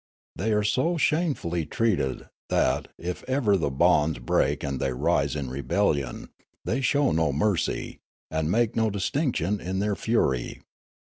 They are so shamefully treated that, if ever the bonds break and they rise in rebellion, they show no mere}'', and make no distinction in their fury.